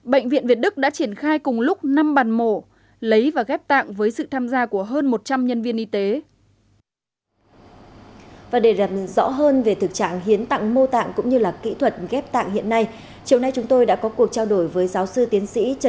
bệnh viện việt đức đã triển khai cùng lúc năm bàn mổ lấy và ghép tạng với sự tham gia của hơn một trăm linh nhân viên y tế